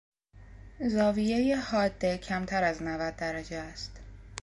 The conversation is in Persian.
زاویهی حاده کمتر از نود درجه است.